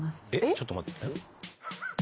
ちょっと待って。